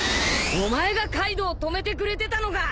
お前がカイドウを止めてくれてたのか！